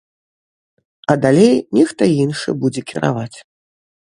А далей нехта іншы будзе кіраваць.